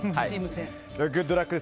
グッドラックです。